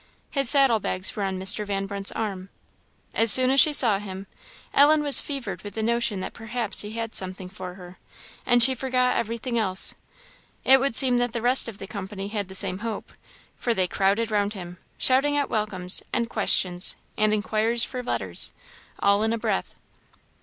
His saddle bags were on Mr. Van Brunt's' arm. As soon as she saw him, Ellen was fevered with the notion that perhaps he had something for her; and she forgot everything else. It would seem that the rest of the company had the same hope, for they crowded round him, shouting out welcomes, and questions, and inquiries for letters all in a breath.